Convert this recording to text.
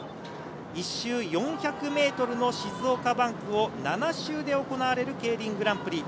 １周４００ｍの静岡バンクを７周で行われるＫＥＩＲＩＮグランプリ。